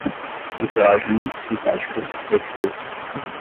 enteógeno, sintéticas, êxtase